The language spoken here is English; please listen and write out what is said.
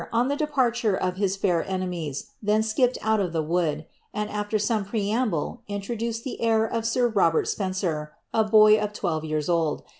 on the departure of his fair enemies, then skipped out .'f the wood, and, after some preamble, introduced the heir of sirR 'btr; Spencer, a boy of twelve years old.